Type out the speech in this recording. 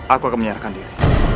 aku akan menyerahkan diri